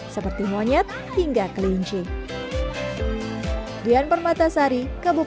seperti monyet hingga kelinci